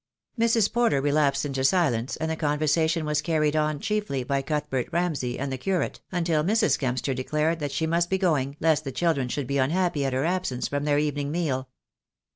Mrs. Porter relapsed into silence, and the conversation was carried on chiefly by Cuthbert Ramsay and the Curate, until Mrs. Kempster declared that she must be going, lest the children should be unhappy at her absence from their evening meal.